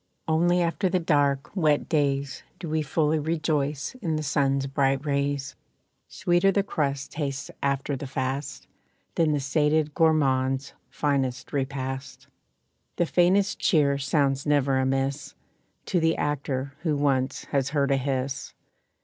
Only after the dark, wet days Do we fully rejoice in the sun's bright rays. Sweeter the crust tastes after the fast Than the sated gourmand's finest repast. The faintest cheer sounds never amiss To the actor who once has heard a hiss.